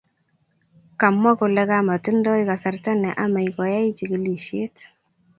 kamwa kole kamkotindai kasarta ne ame koai chikilishiet